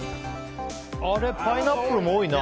パイナップルも多いな。